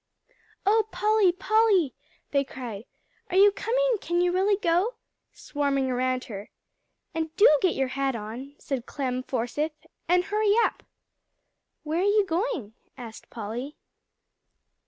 "Oh Polly, Polly!" they cried, "are you coming can you really go?" swarming around her. "And do get your hat on," said Clem Forsythe "and hurry up." "Where are you going?" asked Polly.